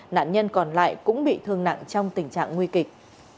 nạn nhân còn lại cũng bị thương nặng trong tình trạng nguy kịch